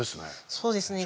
そうですね